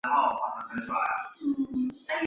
曾居住于魁北克梅戈格镇。